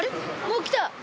もう来た！